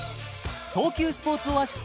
東急スポーツオアシス